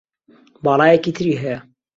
باڵایەکی تری هەیە